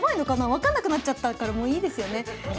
分かんなくなっちゃったからもういいですよね？